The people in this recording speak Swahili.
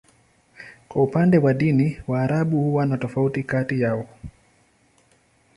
Kwa upande wa dini, Waarabu huwa na tofauti kati yao.